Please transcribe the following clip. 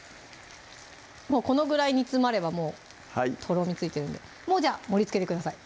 このぐらい煮詰まればもうとろみついてるんでもうじゃあ盛りつけてください